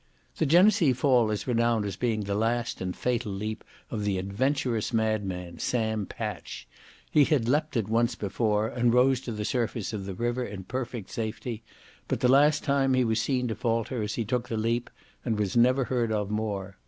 The Genesee fall is renowned as being the last and fatal leap of the adventurous madman, Sam Patch; he had leaped it once before, and rose to the surface of the river in perfect safety, but the last time he was seen to falter as he took the leap, and was never heard of more.